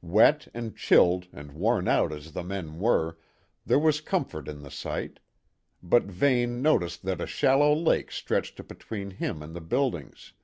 Wet and chilled and worn out as the men were, there was comfort in the sight; but Vane noticed that a shallow lake stretched between him and the buildings.